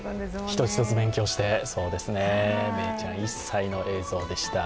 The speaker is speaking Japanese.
一つ一つ勉強して、恵生ちゃん１歳の映像でした。